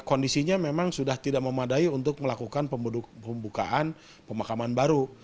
kondisinya memang sudah tidak memadai untuk melakukan pembukaan pemakaman baru